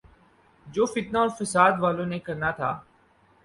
جو فتنہ اورفسادوالوں نے کرنا تھا۔